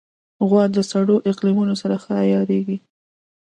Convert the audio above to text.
غوا د سړو اقلیمونو سره ښه عیارېږي.